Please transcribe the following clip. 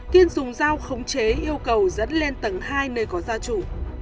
kiên dùng dao khống chế yêu cầu dẫn lên tầng hai nơi có gia trụ